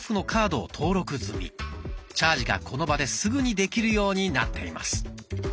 チャージがこの場ですぐにできるようになっています。